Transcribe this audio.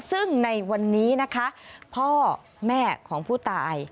ซึ่งในวันนี้นะคะพ่อแม่ของผู้ตาย